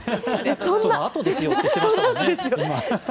そのあとですよって言ってましたもんね、今。